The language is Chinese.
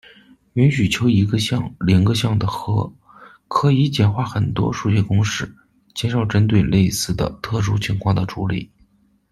允许求一个项、零个项的和，可以简化很多数学公式，减少针对类似的特殊情况的处理。